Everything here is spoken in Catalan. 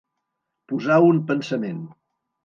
Posar un pensament.